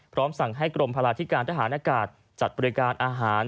สั่งให้กรมพลาธิการทหารอากาศจัดบริการอาหาร